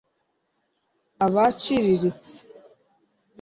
abaciriritse